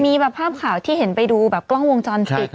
มีภาพข่าวที่เห็นไปดูกล้องวงจรพิก